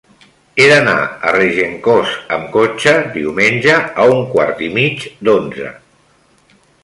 He d'anar a Regencós amb cotxe diumenge a un quart i mig d'onze.